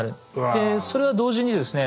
でそれは同時にですね